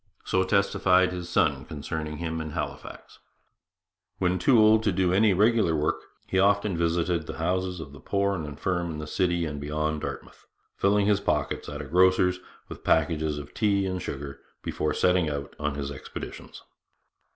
So testified his son concerning him in Halifax. When too old to do any regular work, he often visited the houses of the poor and infirm in the city and beyond Dartmouth, filling his pockets at a grocer's with packages of tea and sugar before setting out on his expeditions.